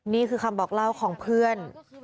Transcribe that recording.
นี่คือคำบอกเล่าของเพื่อน